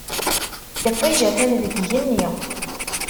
Iṭij atan deg yigenni.